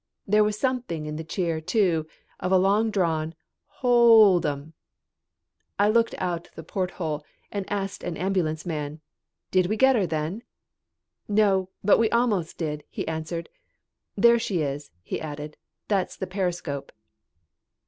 There was something in the cheer, too, of a long drawn "ho old 'em." I looked out the porthole and asked an ambulance man: "Did we get her then?" "No, but we almost did," he answered. "There she is," he added. "That's the periscope."